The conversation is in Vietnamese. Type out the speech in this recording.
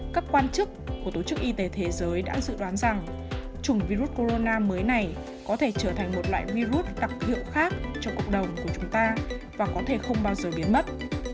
các quan chức của tổ chức y tế thế giới đã dự đoán rằng chủng virus corona mới này có thể trở thành một loại virus đặc hiệu khác cho cộng đồng của chúng ta và có thể không bao giờ biến mất